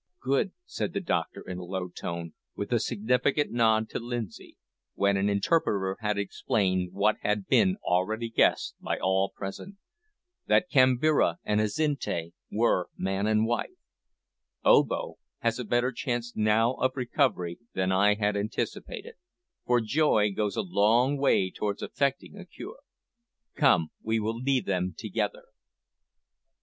"Good!" said the doctor, in a low tone, with a significant nod to Lindsay, when an interpreter had explained what had been already guessed by all present, that Kambira and Azinte were man and wife; "Obo has a better chance now of recovery than I had anticipated; for joy goes a long way towards effecting a cure. Come, we will leave them together."